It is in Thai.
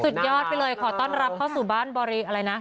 สุดยอดไปเลยขอต้อนรับเข้าสู่บ้านบริอะไรนะ